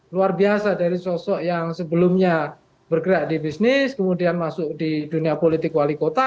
luar biasa dari sosok yang sebelumnya bergerak di bisnis kemudian masuk di dunia politik wali kota